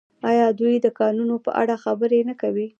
آیا دوی د کانونو په اړه خبرې نه کوي؟